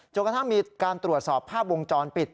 กระทั่งมีการตรวจสอบภาพวงจรปิด